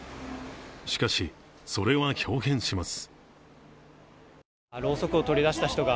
しかしそれはひょう変します。